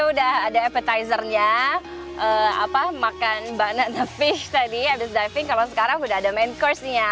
udah ada appetizernya makan bakna tapi tadi abis diving kalau sekarang udah ada main course nya